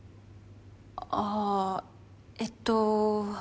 ああえっと。